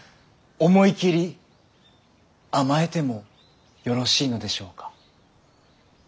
思い切り甘えてもよろしいのでしょうか。